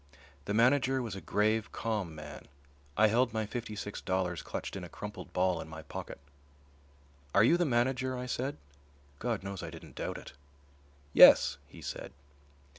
The manager was a grave, calm man. I held my fifty six dollars clutched in a crumpled ball in my pocket. "Are you the manager?" I said. God knows I didn't doubt it. "Yes," he said.